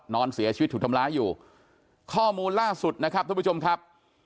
นอนเสียชีวิตถูกทำร้ายอยู่ข้อมูลล่าสุดนะครับท่านผู้ชมครับ